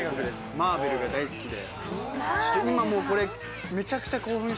マーベルが大好きで。